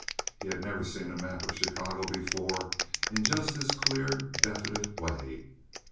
He had never seen a map of Chicago before in just this clear, definite way.